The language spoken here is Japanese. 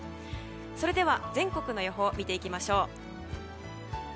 それでは全国の予報を見ていきましょう。